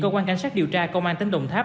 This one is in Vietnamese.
cơ quan cảnh sát điều tra công an tỉnh đồng tháp